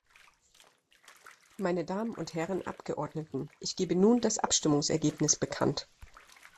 Meine Damen und Herren Abgeordneten! Ich gebe nun das Abstimmungsergebnis bekannt.